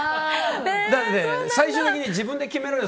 だって最終的に自分で決めろよ